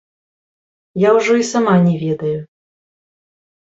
Я ўжо і сама не ведаю.